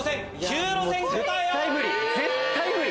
絶対無理！